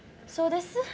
そうです。